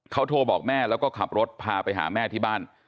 เขาโทรบอกแม่แล้วก็ขับรถพาไปหาแม่ที่บ้าน